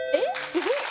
すごっ！